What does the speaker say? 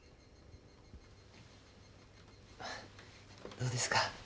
どうですか？